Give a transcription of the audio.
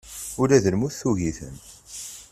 Ula d lmut tugi-ten.